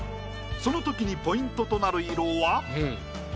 そのときにポイントとなる色は？